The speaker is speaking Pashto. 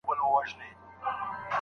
له قصد او اختیار څخه موخه څه ده؟